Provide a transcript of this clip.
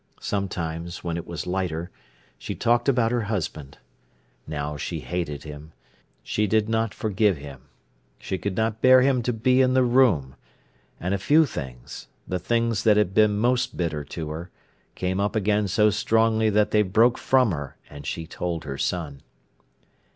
Sometimes, when it was lighter, she talked about her husband. Now she hated him. She did not forgive him. She could not bear him to be in the room. And a few things, the things that had been most bitter to her, came up again so strongly that they broke from her, and she told her son.